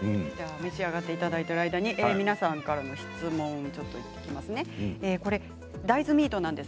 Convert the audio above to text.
召し上がっていただいている間に皆さんからの質問です。